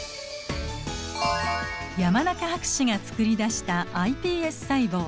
山中博士がつくりだしたｉＰＳ細胞。